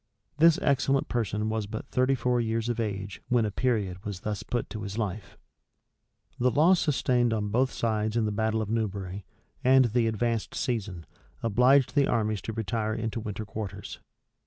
[*] This excellent person was but thirty four years of age when a period was thus put to his life. * Whitlocke, p. 70. Clarendon, vol. iii. p. 350, 351, etc. The loss sustained on both sides in the battle of Newbury, and the advanced season, obliged the armies to retire into winter quarters.